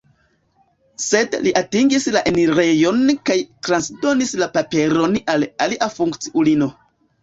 Sed li atingis la enirejon kaj transdonis la paperon al alia funkciulino.